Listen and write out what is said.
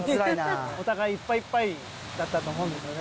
お互いいっぱいいっぱいだったと思うんですよね。